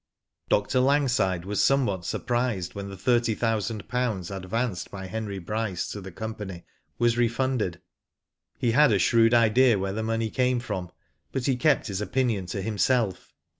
Dr. Langside was somewhat surprised when the thirty thousand pounds advanced by Henry Bryce to the company was refunded. He had a shrewd idea where the money came from, but he kept his opinion to himself.